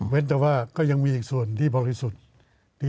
แต่ว่าก็ยังมีอีกส่วนที่บริสุทธิ์